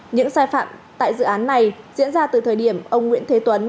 những sai phạm tại dự án này diễn ra từ thời điểm ông nguyễn thế tuấn